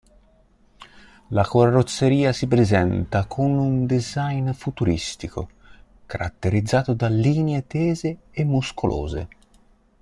La carrozzeria si presenta con un design futuristico, caratterizzato da linee tese e muscolose.